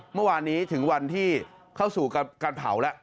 เมื่อวานนี้ถึงวันที่เข้าสู่การเผาแล้ว